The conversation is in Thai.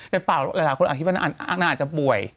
แต่เปล่าหลายคนอาจคิดว่าอันนั้นอาจจะป่วย